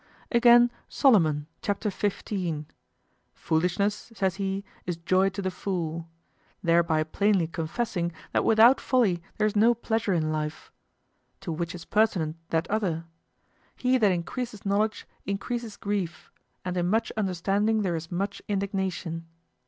Again Solomon, Chapter 15, "Foolishness," says he, "is joy to the fool," thereby plainly confessing that without folly there is no pleasure in life. To which is pertinent that other, "He that increases knowledge, increases grief; and in much understanding there is much indignation."